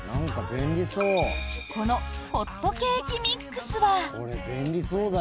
このホットケーキミックスは。